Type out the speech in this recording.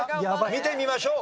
見てみましょう。